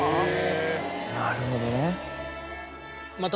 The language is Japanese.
なるほどね。